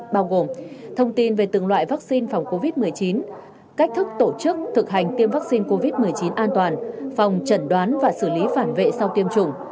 bao gồm thông tin về từng loại vaccine phòng covid một mươi chín cách thức tổ chức thực hành tiêm vaccine covid một mươi chín an toàn phòng chẩn đoán và xử lý phản vệ sau tiêm chủng